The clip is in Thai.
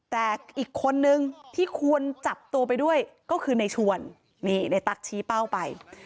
แต่อีกคนนึงที่ควรจับตัวไปด้วยก็คือในชวนนี่ในตั๊กชี้เป้าไป